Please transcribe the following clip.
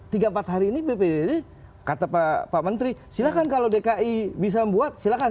tiga empat hari ini bpbd kata pak menteri silakan kalau dki bisa membuat silakan